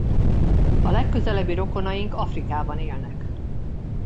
A legközelebbi rokonaik Afrikában élnek.